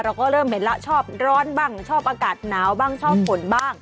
เราก็เริ่มเห็นแล้วชอบร้อนบ้างชอบอากาศหนาวบ้างชอบฝนบ้าง